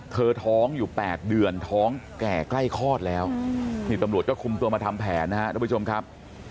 ท้องอยู่๘เดือนท้องแก่ใกล้คลอดแล้วนี่ตำรวจก็คุมตัวมาทำแผนนะครับทุกผู้ชมครับ